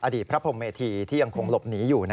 อดีตพระพรมเมธีที่ยังคงหลบหนีอยู่